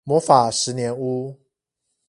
魔法十年屋